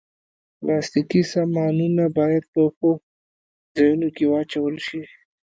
پلاستيکي سامانونه باید په ښو ځایونو کې واچول شي.